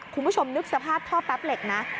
คุณผู้ชมนึกสภาพท่อแป๊บเหล็กนะ